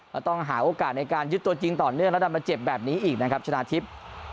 ก็ต้องหาโอกาสในการยึดตัวจริงต่อเนื่องแล้วดันมาเจ็บแบบนี้อีกนะครับชนะทิพย์